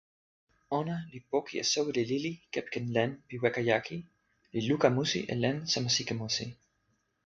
ona li poki e soweli lili kepeken len pi weka jaki, li luka musi e len sama sike musi.